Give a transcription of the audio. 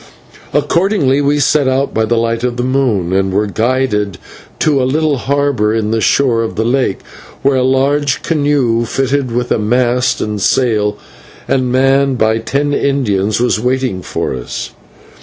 Accordingly we set out by the light of the moon and were guided to a little harbour in the shore of the lake, where a large canoe, fitted with a mast and sail, and manned by ten Indians, was waiting for us.